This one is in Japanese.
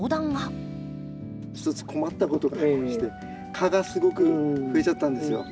一つ困ったことがありまして蚊がすごくふえちゃったんですよ。